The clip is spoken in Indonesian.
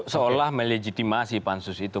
seolah melejitimasi pansus itu